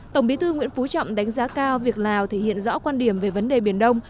tổng bí thư nguyễn phú trọng đánh giá cao việc lào thể hiện rõ quan điểm về vấn đề biển đông